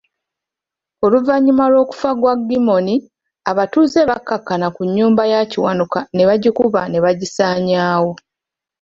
Oluvanyuma lw'okufa kwa Gimmony, abatuuze bakkakkana ku nnyumba ya Kiwanuka ne bagikuba ne bagisanyaawo.